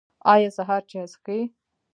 ایا سهار چای څښئ؟